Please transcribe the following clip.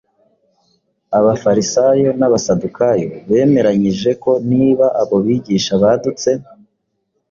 Abafarisayo n’Abasadukayo bemeranyije ko niba abo bigisha badutse